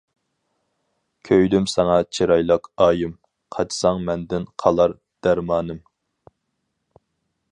كۆيدۈم ساڭا چىرايلىق ئايىم، قاچساڭ مەندىن قالار دەرمانىم.